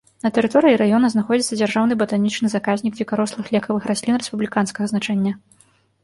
На тэрыторыі раёна знаходзіцца дзяржаўны батанічны заказнік дзікарослых лекавых раслін рэспубліканскага значэння.